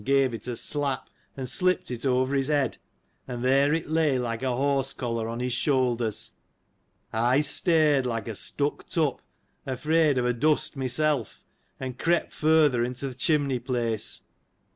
gave it a slap, and slipped it over his head ; and, there it lay like a horse collar* on his shoulders. I stared like a stuck tup, afraid of a dust myself, and crept further into th' chimney place.